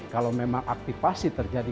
kalau memang aktifasi terjadi